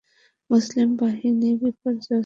মুসলিম বাহিনী বিপর্যস্ত।